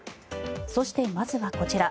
そして、まずはこちら。